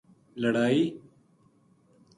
لڑائی